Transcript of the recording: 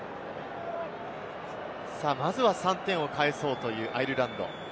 まずは３点を返そうというアイルランド。